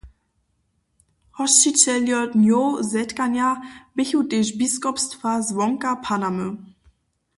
Hosćićeljo Dnjow zetkanja běchu tež biskopstwa zwonka Panamy.